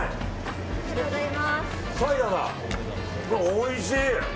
おいしい。